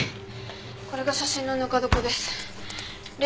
これが写真のぬか床です。